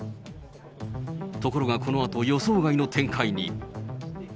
ところが、このあと予想外の展開に。